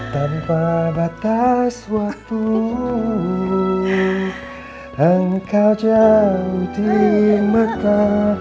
tanpa batas waktu engkau jauh di mata